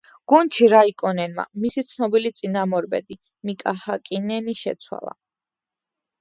გუნდში რაიკონენმა მისი ცნობილი წინამორბედი, მიკა ჰაკინენი შეცვალა.